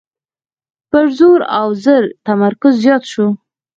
پر زور او زر تمرکز زیات شو.